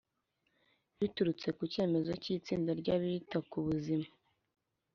biturutse ku cyemezo cy itsinda ry abita ku buzima